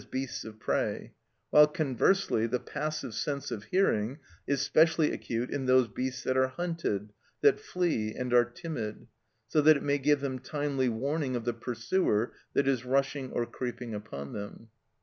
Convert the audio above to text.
_, beasts of prey, while conversely the passive sense of hearing is specially acute in those beasts that are hunted, that flee, and are timid, so that it may give them timely warning of the pursuer that is rushing or creeping upon them.